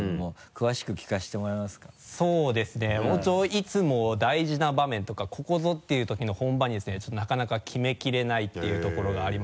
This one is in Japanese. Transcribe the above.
いつも大事な場面とかここぞっていう時の本番にですねちょっとなかなか決めきれないていうところがありまして。